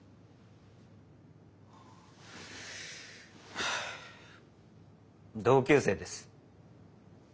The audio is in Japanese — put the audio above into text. はあ同級生です。